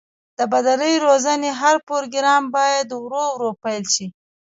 د بدني روزنې هر پروګرام باید ورو ورو پیل شي.